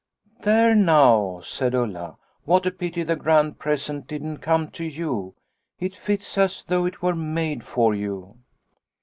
' There now,' said Ulla, ' what a pity the grand present didn't come to you ; it fits as though it were made for you.'